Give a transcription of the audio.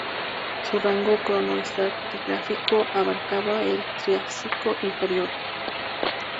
Su rango cronoestratigráfico abarcaba el Triásico inferior.